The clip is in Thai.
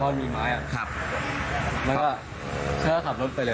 เพราะมีไม้อ่ะครับแล้วก็เข้าถับรถไปเลย